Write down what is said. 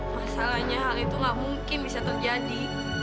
masalahnya hal itu nggak mungkin bisa terjadi